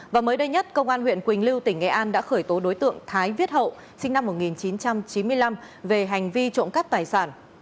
và mới đây nhất công an huyện quỳnh lưu tỉnh nghệ an đã khởi tố đối tượng thái viết hậu sinh năm một nghìn chín trăm chín mươi năm về hành vi trộm cắp tài sản